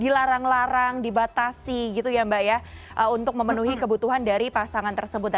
dilarang larang dibatasi gitu ya mbak ya untuk memenuhi kebutuhan dari pasangan tersebut